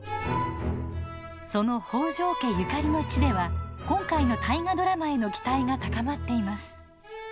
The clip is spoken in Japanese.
その北条家ゆかりの地では今回の大河ドラマへの期待が高まっています。